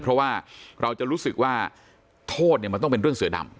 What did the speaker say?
เพราะว่าเราจะรู้สึกว่าโทษเนี่ยมันต้องเป็นเรื่องเสือดำ